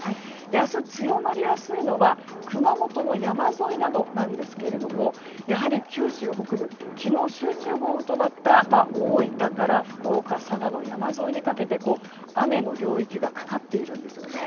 明日、強まりやすいのは熊本の山沿いなどですがやはり九州北部昨日、集中豪雨となった大分から福岡佐賀の山沿いにかけて雨の領域がかかっているんですね。